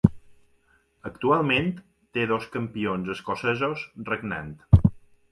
Actualment, té dos campions escocesos regnant.